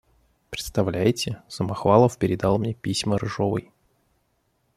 Представляете, Самохвалов передал мне письма Рыжовой.